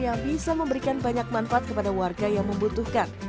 yang bisa memberikan banyak manfaat kepada warga yang membutuhkan